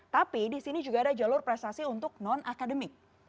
tapi di sini juga ada jalur prestasi untuk non akademik